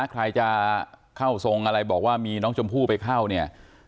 ใครจะเข้าทรงอะไรบอกว่ามีน้องชมพู่ไปเข้าเนี่ย